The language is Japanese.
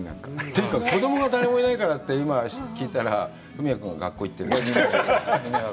というか、子供が誰もいないからって、今、聞いたら、学校に行ってるって。